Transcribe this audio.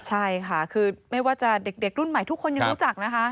ใช่ค่ะคือไม่ว่าจะเด็กรุ่นใหม่ทุกคนยังรู้จักนะคะ